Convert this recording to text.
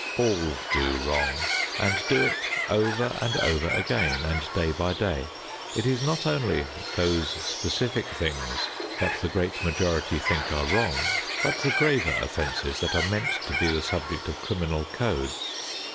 All do wrong and do it over and over again, and day by day. It is not only those specific things that the great majority think are wrong, but the graver offenses that are meant to be the subject of criminal codes.